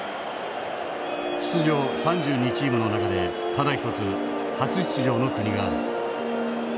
出場３２チームの中でただ一つ初出場の国がある。